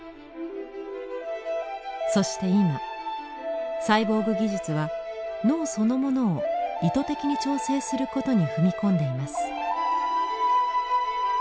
そして今サイボーグ技術は脳そのものを意図的に調整することに踏み込んでいます。